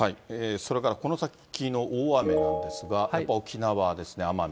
それからこの先の大雨なんですが、やっぱり沖縄ですね、奄美。